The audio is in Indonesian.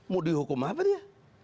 mau dihukum apa dia